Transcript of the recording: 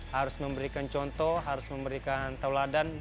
harus memberikan contoh harus memberikan tauladan